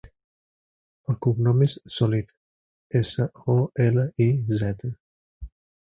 El cognom és Soliz: essa, o, ela, i, zeta.